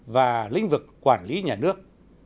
và lĩnh vực quản lý nhà nước